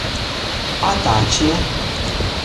А таче?